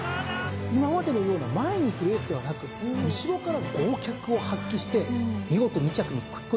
今までのような前に行くレースではなく後ろから豪脚を発揮して見事２着に食い込みましたよね。